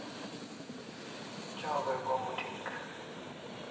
Chaw bribo muti'hik